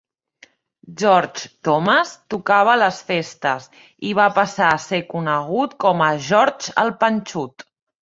George Thomas tocava en les festes i va passar a ser conegut com "George el Panxut".